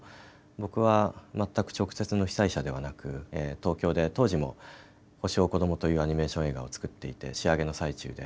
僕は全く直接の被災者ではなく東京で、当時も「星を追う子ども」というアニメーション映画を作っていて仕上げの最中で。